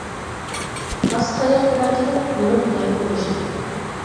ھاسا تاياق بىلەن كېلىپ، مېنىڭ بىلەن كۆرۈشتى.